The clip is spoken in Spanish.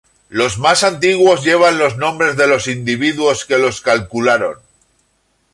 Los más antiguos llevan los nombres de los individuos que los calcularon.